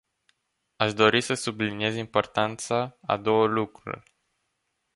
Aș dori să subliniez importanța a două lucruri.